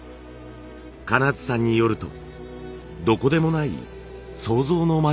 金津さんによるとどこでもない想像の町なんだそうです。